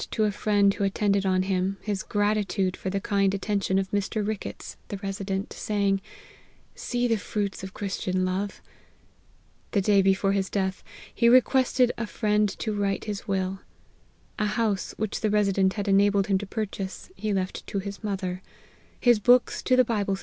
to a friend who attended on him, his gratitude for the kind attention of Mr. Ricketts, the Resident, saying, ' See the fruits of Christian love !' The day before his death, he requested his friend to write his will. A house which the Resident had enabled him to purchase, he left to his mother ; his books to the Bible.